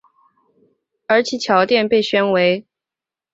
而其桥殿被选为。